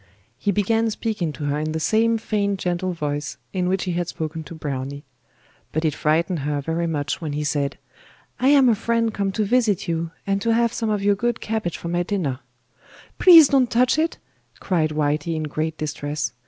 He began speaking to her in the same feigned gentle voice in which he had spoken to Browny; but it frightened her very much when he said: 'I am a friend come to visit you, and to have some of your good cabbage for my dinner.' 'Please don't touch it,' cried Whitey in great distress.